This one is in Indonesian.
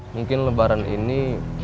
mungkin lebaran ini